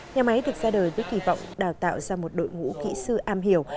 nhà máy được ra đời với kỳ vọng đào tạo ra một đội ngũ kỹ sư am hiểu